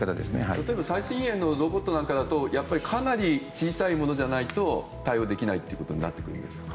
例えば最新鋭のロボットなんかだとかなり小さいものじゃないと対応できないとなってくるんですか？